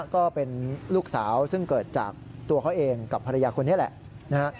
ก็เป็นลูกสาวซึ่งเกิดจากตัวเขาเองกับภรรยาคนนี้แหละนะฮะ